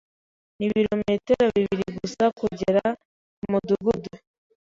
Nibirometero bibiri gusa kugera kumudugudu.